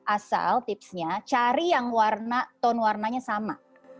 asal tipsnya cari yang warna tone warnanya sama